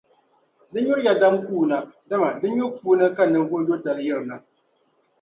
Di nyuriya dam kuuna, dama di nyubu puuni ka ninvuɣuyotali yirina.